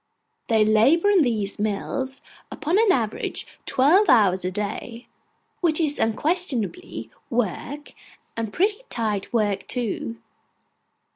They labour in these mills, upon an average, twelve hours a day, which is unquestionably work, and pretty tight work too.